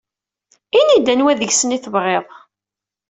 Ini-d anwa deg-sen ay tebɣiḍ.